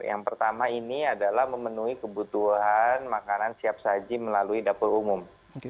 yang pertama ini adalah memenuhi kebutuhan makanan siap saji melalui dapur umum